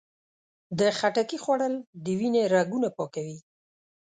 د خټکي خوړل د وینې رګونه پاکوي.